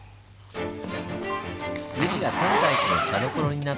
宇治が「天下一の茶どころ」になった理由